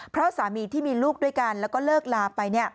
เพราะสามีที่มีลูกด้วยกันแล้วก็เลิกลาไป